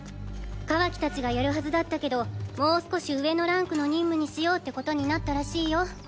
カワキたちがやるはずだったけどもう少し上のランクの任務にしようってことになったらしいよ。